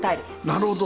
なるほど。